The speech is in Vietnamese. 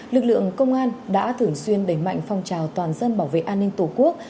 lực lượng công an đã thường xuyên đẩy mạnh phong trào toàn dân bảo vệ an ninh tổ quốc